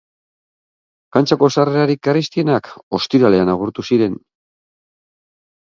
Kantxako sarrerarik garestienak ostiralean agortu ziren.